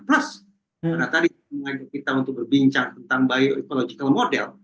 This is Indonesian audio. plus karena tadi kita untuk berbincang tentang bio ecological model